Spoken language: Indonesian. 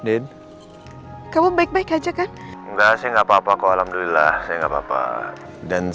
halo mas din kamu baik baik aja kan enggak sih nggak papa kok alhamdulillah nggak papa dan